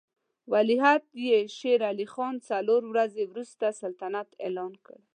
ولیعهد یې شېر علي خان څلور ورځې وروسته سلطنت اعلان کړ.